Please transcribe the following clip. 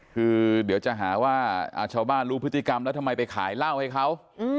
คือเดี๋ยวจะหาว่าชาวบ้านรู้พฤติกรรมแล้วทำไมไปขายเหล้าให้เขา